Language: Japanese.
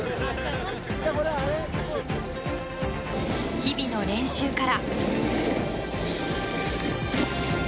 日々の練習から。